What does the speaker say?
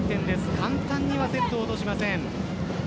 簡単にはセットを落としません。